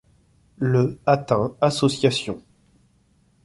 Le atteint associations.